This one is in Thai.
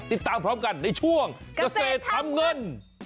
ติดตามพร้อมกันในช่วงเกษตรทำเงิน